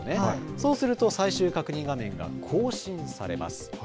そうすると最終確認画面が更新されます。